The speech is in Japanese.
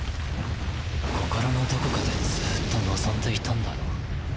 心のどこかでずうっと望んでいたんだろう。